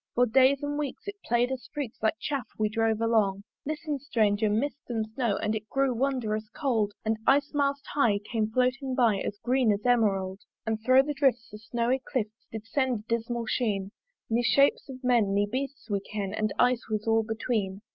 For days and weeks it play'd us freaks Like Chaff we drove along. Listen, Stranger! Mist and Snow, And it grew wond'rous cauld: And Ice mast high came floating by As green as Emerauld. And thro' the drifts the snowy clifts Did send a dismal sheen; Ne shapes of men ne beasts we ken The Ice was all between.